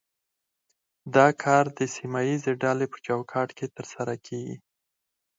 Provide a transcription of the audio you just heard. دا کار د سیمه ایزې ډلې په چوکاټ کې ترسره کیږي